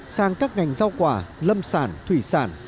sang các ngành rau quả lâm sản thủy sản